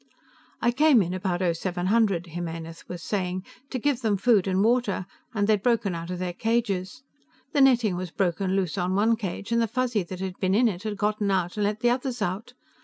"I came in about o seven hundred," Jimenez was saying, "to give them food and water, and they'd broken out of their cages. The netting was broken loose on one cage and the Fuzzy that had been in it had gotten out and let the others out.